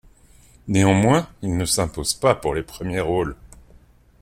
Néanmoins, il ne s'impose pas pour les premiers rôles.